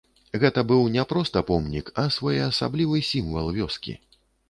Гэта быў не проста помнік, а своеасаблівы сімвал вёскі.